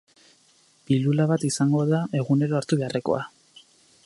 Pilula bat izango da, egunero hartu beharrekoa.